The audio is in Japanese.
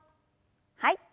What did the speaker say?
はい。